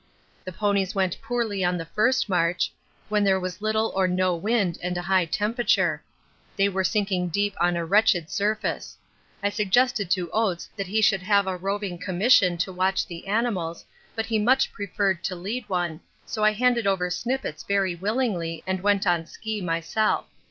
The ponies went poorly on the first march, when there was little or no wind and a high temperature. They were sinking deep on a wretched surface. I suggested to Oates that he should have a roving commission to watch the animals, but he much preferred to lead one, so I handed over Snippets very willingly and went on ski myself.